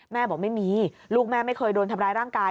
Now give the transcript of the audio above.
บอกไม่มีลูกแม่ไม่เคยโดนทำร้ายร่างกาย